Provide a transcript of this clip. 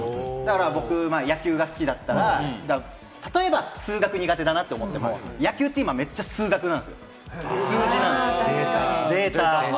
野球が好きだったら例えば数学苦手だなと思っても、野球って今めっちゃ数学なんですよ、数字なんですよ、データ。